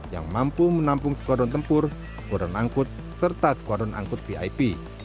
yang mampu menampung skuadron tempur skuadron angkut serta skuadron angkut vip